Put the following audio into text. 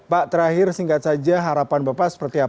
pak terakhir singkat saja harapan bapak seperti apa